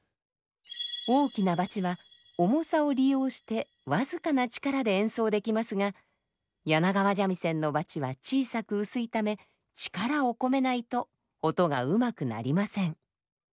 大きなバチは重さを利用して僅かな力で演奏できますが柳川三味線のバチは小さく薄いため力を込めないと音がうまく鳴りません。